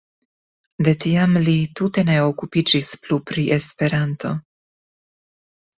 De tiam li tute ne okupiĝis plu pri Esperanto.